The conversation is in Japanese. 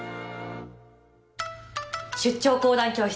出張講談教室